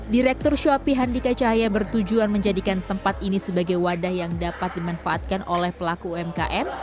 direktur shoapi handika cahaya bertujuan menjadikan tempat ini sebagai wadah yang dapat dimanfaatkan oleh pelaku umkm